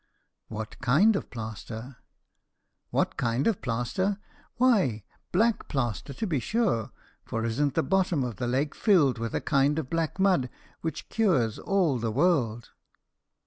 "What kind of plaster?" "What kind of plaster? why, black plaster to be sure; for isn't the bottom of the lake filled with a kind of black mud which cures all the world?"